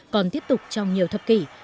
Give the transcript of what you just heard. còn tiếp tục trong nhiều thập kỷ